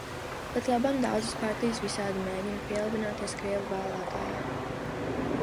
Patlaban daudzas partijas visādi mēģina pielabināties krievu vēlētājiem.